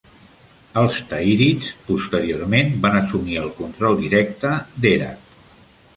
Els Tahirids, posteriorment, van assumir el control directe d'Herat.